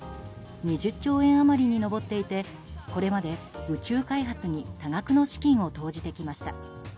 ２０兆円余りに上っていてこれまで、宇宙開発に多額の資金を投じてきました。